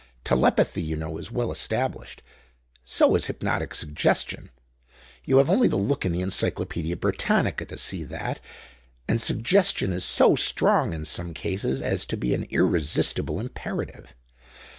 Telepathy, you know, is well established; so is hypnotic suggestion. You have only to look in the 'Encyclopædia Britannica' to see that, and suggestion is so strong in some cases as to be an irresistible imperative.